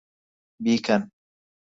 بیکەن!